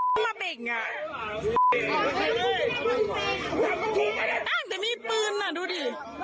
มันมันเป็นพวกจากไง